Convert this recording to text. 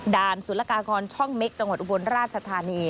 สุรกากรช่องเม็กจังหวัดอุบลราชธานี